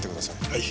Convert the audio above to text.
はい。